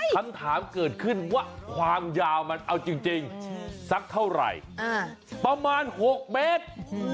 คำถามเกิดขึ้นว่าความยาวมันเอาจริงสักเท่าไหร่ประมาณ๖เมตร